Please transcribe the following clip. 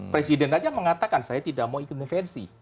presiden aja mengatakan saya tidak mau ikut intervensi